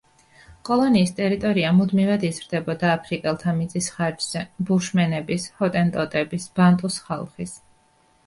კოლონიის ტერიტორია მუდმივად იზრდებოდა აფრიკელთა მიწის ხარჯზე: ბუშმენების, ჰოტენტოტების, ბანტუს ხალხის.